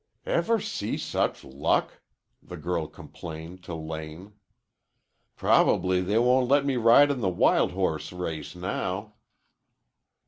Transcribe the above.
"Ever see such luck?" the girl complained to Lane. "Probably they won't let me ride in the wild horse race now."